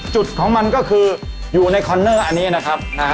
จุดของมันก็คืออยู่ในคอนเนอร์อันนี้นะครับ